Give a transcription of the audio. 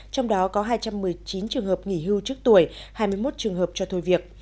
trong đó có hai trăm một mươi chín trường hợp nghỉ hưu trước tuổi hai mươi một trường hợp cho thôi việc